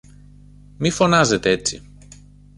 Μη φωνάζετε έτσι!